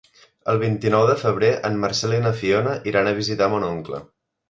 El vint-i-nou de febrer en Marcel i na Fiona iran a visitar mon oncle.